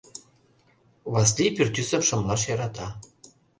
Васлий пӱртӱсым шымлаш йӧрата.